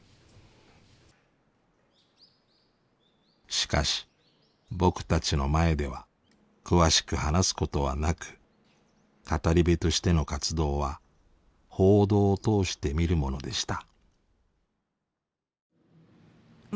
しかし僕たちの前では詳しく話すことはなく語り部としての活動は報道を通して見るものでした。